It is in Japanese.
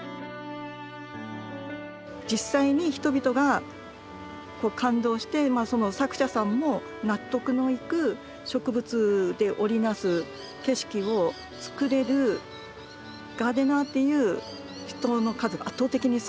実際に人々が感動してその作者さんも納得のいく植物で織り成す景色をつくれるガーデナーっていう人の数が圧倒的に少ない。